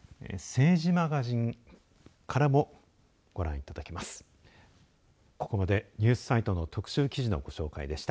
政治マガジンからもご覧いただけます。